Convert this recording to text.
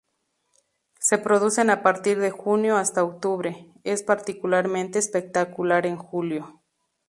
Se producen a partir de junio hasta octubre, es particularmente espectacular en julio.